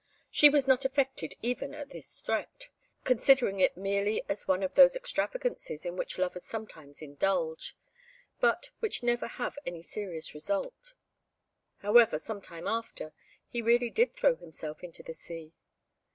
She was not affected even at this threat, considering it merely as one of those extravagances in which lovers sometimes indulge, but which never have any serious result. However, some time after, he really did throw himself into the sea.